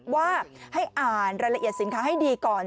ว่าให้อ่านรายละเอียดสินค้าให้ดีก่อน